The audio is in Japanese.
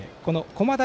駒大